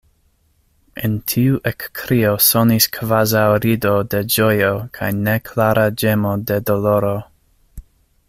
En tiu ekkrio sonis kvazaŭ rido de ĝojo kaj neklara ĝemo de doloro.